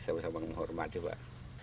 saya bisa menghormati pak